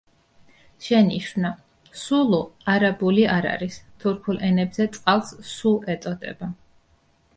შენიშვნა: „სულუ“ არაბული არ არის, თურქულ ენებზე წყალს „სუ“ ეწოდება.